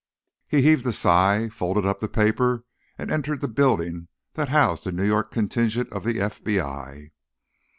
He heaved a sigh, folded up the paper and entered the building that housed the New York contingent of the FBI.